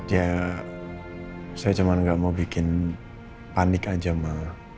ya saya cuma gak mau bikin panik aja ma